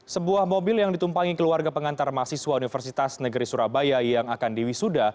sebuah mobil yang ditumpangi keluarga pengantar mahasiswa universitas negeri surabaya yang akan diwisuda